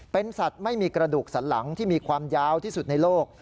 เป็นสัตว์ไม่มีกระดูกสันหลังที่มีความยาวที่สุดในโลก